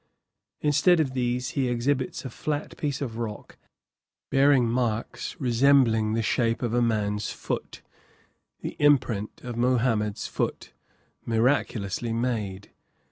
Instead of these he exhibits a flat piece of rock bearing marks resembling the shape of a man's foot the imprint of Mohammed's foot, miraculously made.